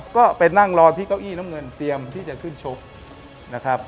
ก็ไปนั่งรอที่เก้าอี้น้ำเงินเตรียมที่จะขึ้นชกนะครับ